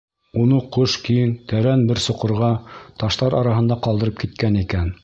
Уны ҡош киң, тәрән бер соҡорға, таштар араһында ҡалдырып киткән икән.